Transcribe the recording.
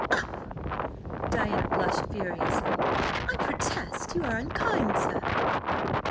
"Oh!" Diana blushed furiously "I protest you are unkind, sir!"